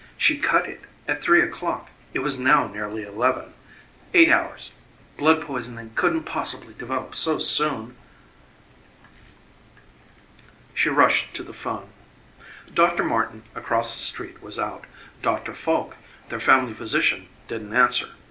She'd cut it at three o'clock it was now nearly eleven. Eight hours. Blood poisoning couldn't possibly develop so soon. She rushed to the 'phone. Doctor Martin across the street was out. Doctor Foulke, their family physician, didn't answer.